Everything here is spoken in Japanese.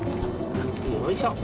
よいしょ。